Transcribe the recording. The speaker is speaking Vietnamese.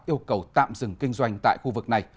yêu cầu tạm dừng kinh doanh tại khu vực này